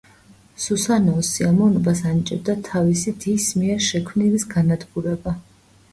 სუსანოოს სიამოვნებას ანიჭებდა თავის დის მიერ შექმნილის განადგურება.